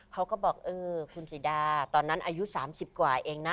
เขาก็บอกเออคุณสิดาตอนนั้นอายุ๓๐กว่าเองนะ